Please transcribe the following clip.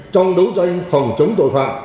trong đấu tranh phòng chống tội phạm